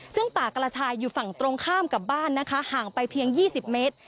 ซึ่งป่ากระชายอยู่ฝั่งตรงข้ามกับบ้านนะคะห่างไปเพียง๒๐เมตร